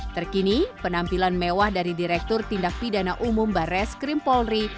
terkini penampilan mewah dari direktur tindak pidana umum barres krim polri